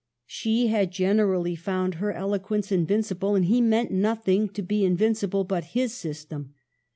She had generally found her eloquence invincible, and he meant nothing to be invinci ble but his system.